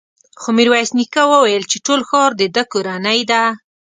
خو ميرويس نيکه وويل چې ټول ښار د ده کورنۍ ده.